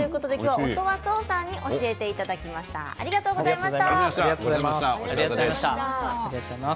音羽創さんに教えていただきましたありがとうございました。